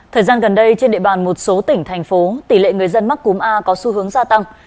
thời gian gần đây trên địa bàn một số tỉnh thành phố tỷ lệ người dân mắc cúm a có xu hướng gia tăng